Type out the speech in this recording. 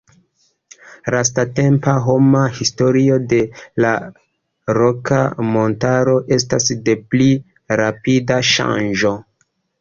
Lastatempa homa historio de la Roka Montaro estas de pli rapida ŝanĝo.